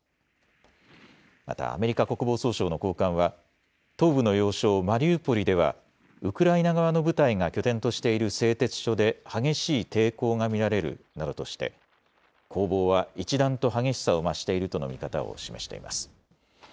またアメリカ国防総省の高官は東部の要衝マリウポリではウクライナ側の部隊が拠点としている製鉄所で激しい抵抗が見られるなどとして攻防は一段と激しさを増しているとの見方を示しています。